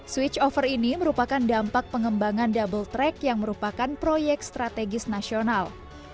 switch over ini merupakan dampak pengembangan double track yang merupakan proyek strategis nasional